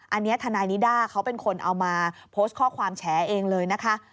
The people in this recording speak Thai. อันนี้ทนายนิด้าเขาเป็นคนเอามาโพสต์ข้อความแฉเองเลยนะคะ